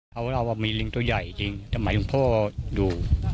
เพราะเรามีลิงตัวใหญ่จริงสมัยหลวงพ่ออยู่